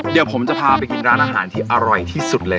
เดี๋ยวผมจะพาไปกินร้านอาหารที่อร่อยที่สุดเลย